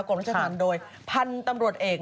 รัชธรรมโดยพันธุ์ตำรวจเอก